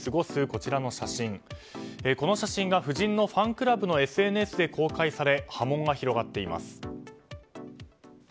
この写真が夫人のファンクラブのＳＮＳで公開され波紋が広がっています。